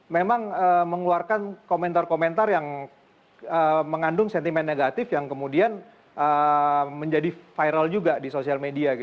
memang mengeluarkan komentar komentar yang mengandung sentimen negatif yang kemudian menjadi viral juga di sosial media